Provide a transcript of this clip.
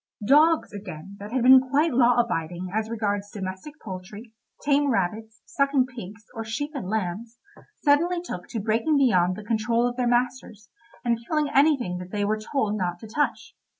Dogs, again, that had been quite law abiding as regards domestic poultry, tame rabbits, sucking pigs, or sheep and lambs, suddenly took to breaking beyond the control of their masters, and killing anything that they were told not to touch.